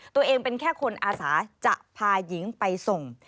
ตัวเองเป็นแค่คนอาสาจะพาหญิงไปส่ง